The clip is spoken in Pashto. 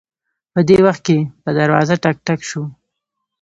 په دې وخت کې په دروازه ټک ټک شو